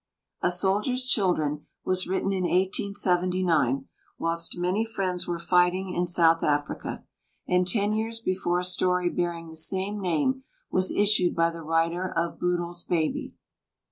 "A Soldier's Children" was written in 1879, whilst many friends were fighting in South Africa, and ten years before a story bearing the same name was issued by the writer of Bootles' Baby.